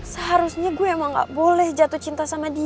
seharusnya gue emang gak boleh jatuh cinta sama dia